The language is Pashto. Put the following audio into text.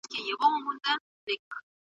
ايا کلتوري اړيکي پر اقتصاد اغېزه لري؟